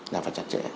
là phải chặt chẽ